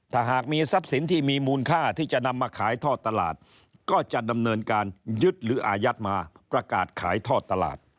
ถ้าหากมีทรัพย์สินที่มีมูลค่าที่จะนำมาขายท่อตลาดก็จะดำเนินการยึดหรืออายัดมาประกาศขายทอดตลาด